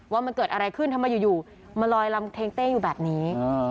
ว่ามันเกิดอะไรขึ้นทำไมอยู่มาลอยลำเท้งเต้อยู่แบบนี้